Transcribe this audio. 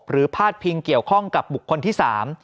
พาดพิงเกี่ยวข้องกับบุคคลที่๓